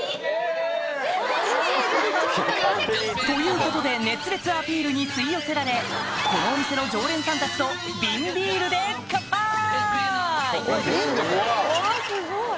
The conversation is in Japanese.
うれしい！ということで熱烈アピールに吸い寄せられこのお店の常連さんたちと瓶ビールでカンパイ！